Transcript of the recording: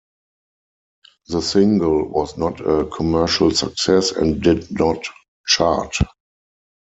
The single was not a commercial success and did not chart.